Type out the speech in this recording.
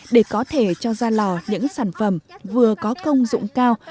để có thể cho ra lò những sản phẩm vừa có công dụng cao